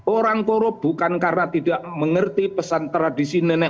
orang korup bukan karena tidak mengerti pesan keagamaan